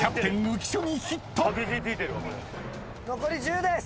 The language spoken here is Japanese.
残り１０です！